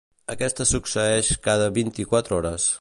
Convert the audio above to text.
Aquesta succeeix cada vint-i-quatre hores.